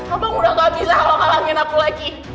abang udah gak bisa kalau kalangin aku lagi